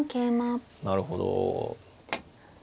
なるほど。